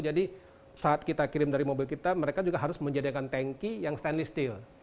jadi saat kita kirim dari mobil kita mereka juga harus menjadikan tanki yang stainless steel